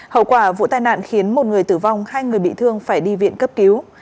hậu quả vụ tai nạn khiến một người tử vong hai người bị thương phải đi viện cấp cứu